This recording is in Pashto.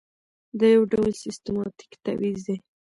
دا یو ډول سیستماتیک تبعیض دی.